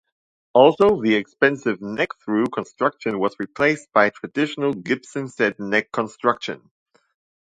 Also, the expensive neck-through construction was replaced by traditional Gibson set-neck construction.